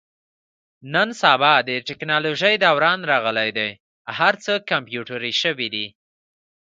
نن سبا د تکنالوژۍ دوران راغلی دی. هر څه کمپیوټري شوي دي.